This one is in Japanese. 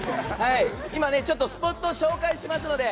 今、スポットを紹介しますので。